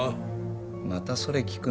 またそれ聞くの？